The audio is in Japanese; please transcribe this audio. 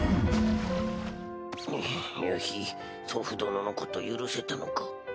夕日祖父殿のこと許せたのか？